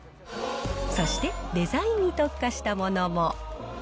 そして、デザインに特化したものも。